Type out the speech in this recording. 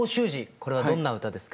これはどんな歌ですか？